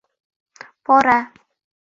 — Pora!